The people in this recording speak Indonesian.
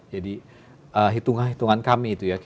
jadi hitungan hitungan kami itu ya